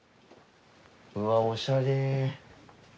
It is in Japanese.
うわおしゃれ。